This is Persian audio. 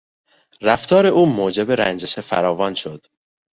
رفتار او موجب رنجش فراوان شد.